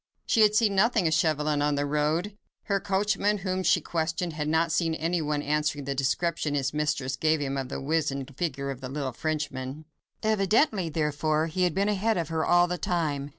She had seen nothing of Chauvelin on the road. Her coachman, whom she questioned, had not seen anyone answering the description his mistress gave him of the wizened figure of the little Frenchman. Evidently, therefore, he had been ahead of her all the time.